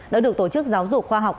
đã được tổ chức giáo dục khoa học